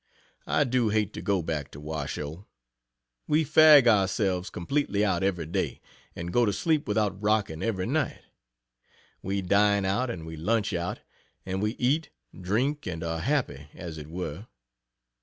I do hate to go back to Washoe. We fag ourselves completely out every day, and go to sleep without rocking, every night. We dine out and we lunch out, and we eat, drink and are happy as it were.